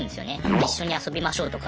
「一緒に遊びましょう」とか。